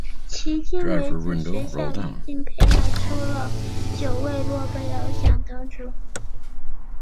迄今为止学校已经培养出了九位诺贝尔奖得主。